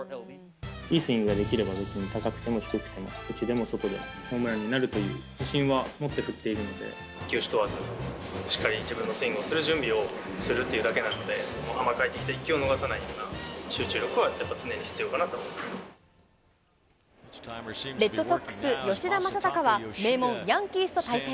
いいスイングができれば、別に高くても低くても、内でも外でもホームランになるという自信は持って振っているので、球種問わず、しっかり自分のスイングをする準備をするっていうだけなので、甘く入ってきた一球を逃さないような集中力はやっぱり常に必要かレッドソックス、吉田正尚は名門、ヤンキースと対戦。